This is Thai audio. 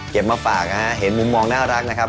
เก็บมาฝากนะครับเห็นมุมมองน่ารักนะครับ